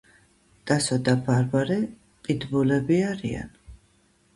ტასო და ბარბარე პიდბულები არიან